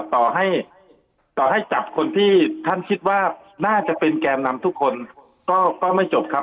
ต่อให้ต่อให้จับคนที่ท่านคิดว่าน่าจะเป็นแกนนำทุกคนก็ไม่จบครับ